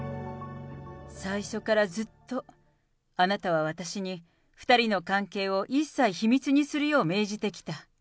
最初からずっとあなたは私に２人の関係を一切秘密にするよう命じてきた。